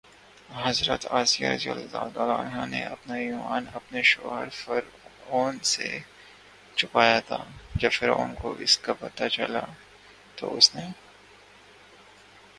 حضرت آسیہ رضی اللہ تعالٰی عنہا نے اپنا ایمان اپنے شوہر فرعون سے چھپایا تھا، جب فرعون کو اس کا پتہ چلا تو اس نے